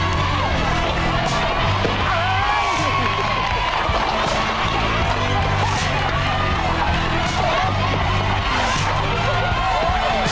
แม่ไปดีกว่ายับก่อนเลย